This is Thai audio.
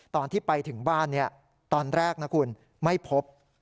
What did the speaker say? ตอนที่ไปถึงบ้านตอนแรกนะคุณไม่พบ